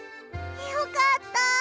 よかった。